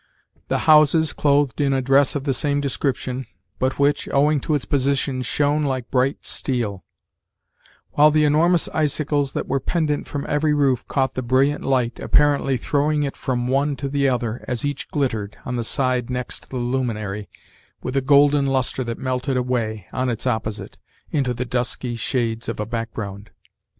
The houses clothed in a dress of the same description, but which, owing to its position, shone like bright steel; while the enormous icicles that were pendent from every roof caught the brilliant light, apparently throwing it from one to the other, as each glittered, on the side next the luminary, with a golden lustre that melted away, on its opposite, into the dusky shades of a background.